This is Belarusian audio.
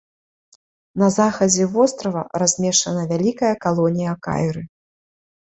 На захадзе вострава размешчана вялікая калонія кайры.